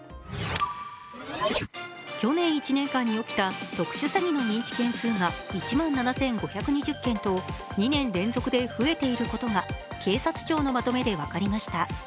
去年１年間に起きた特殊詐欺の認知件数が１年間で７５２０件と２年連続で増えていることが警察庁のまとめで分かりました。